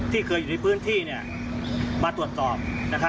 ที่เคยอยู่ในพื้นที่มาตรวจสอบ